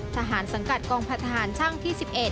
ทหารสังกัดกองพัทธานช่างที่๑๑